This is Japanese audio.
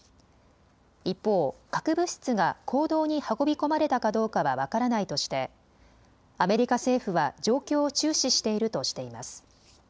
一方、核物質が坑道に運び込まれたかどうかは分からないとしてアメリカ政府は状況を注視しているとしています。